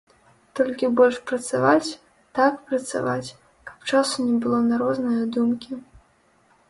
Толькі больш працаваць, так працаваць, каб часу не было на розныя думкі.